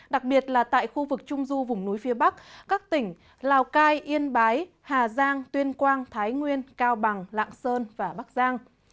đặc biệt là tại khu vực trung du vùng núi phía bắc các tỉnh lào cai yên bái hà giang tuyên quang thái nguyên cao bằng lạng sơn và bắc giang